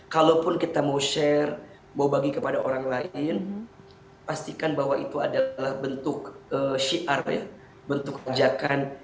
kalaupun kita mau share mau bagi kepada orang lain pastikan bahwa itu adalah bentuk syiar ya bentuk ajakan